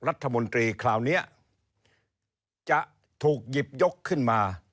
รัฐมนตรีคราวนี้จะถูกหยิบยกขึ้นมา